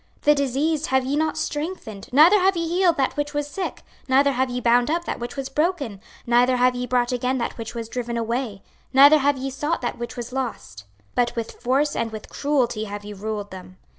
26:034:004 The diseased have ye not strengthened, neither have ye healed that which was sick, neither have ye bound up that which was broken, neither have ye brought again that which was driven away, neither have ye sought that which was lost; but with force and with cruelty have ye ruled them.